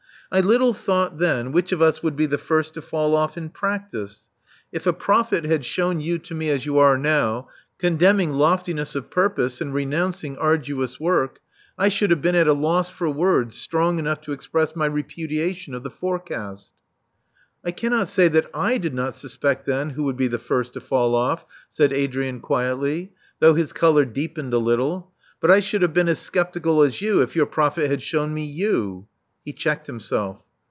I little thought, then, which of us would be the first to fall off in practice. If a prophet had shewn Love Among the Artists 389 you to me as you are now, contemning loftiness of purpose and renouncing arduous work, I should have been at a loss for words strong enough to express my repudiation of the forecast." *'I cannot say that /did not suspect then who would be the first to fall ofif," said Adrian, quietly, though his color deepened a little. But I should have been as sceptical as you, if your prophet had shewn me you *' He checked himself.